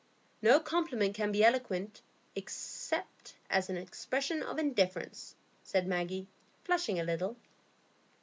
"No compliment can be eloquent, except as an expression of indifference," said Maggie, flushing a little.